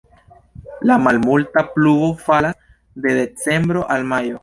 La malmulta pluvo falas de decembro al majo.